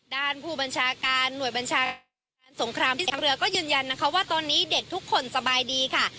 ด้านผู้บัญชาการหน่วยบัญชาการสงครามที่ทางเรือก็ยืนยันนะคะว่าตอนนี้เด็กทุกคนสบายดีค่ะ